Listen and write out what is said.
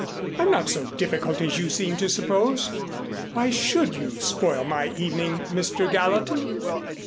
I'm not so difficult as you seem to suppose. Why should you spoil my evening, Mr. Gallatin?"